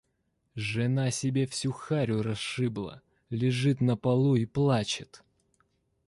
Жена себе всю харю расшибла, лежит на полу и плачет.